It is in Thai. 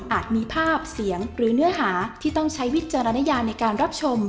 มีภาพเสียงหรือเนื้อหาที่ต้องใช้วิจารณญาในการรับชม